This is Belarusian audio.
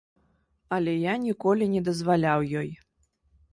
Але я ніколі не дазваляў ёй.